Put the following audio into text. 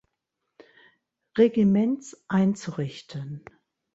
Regiments einzurichten.